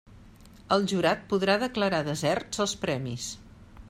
El jurat podrà declarar deserts els premis.